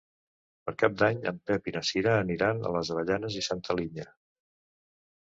Per Cap d'Any en Pep i na Cira aniran a les Avellanes i Santa Linya.